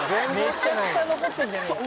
めちゃくちゃ残ってんじゃねえか。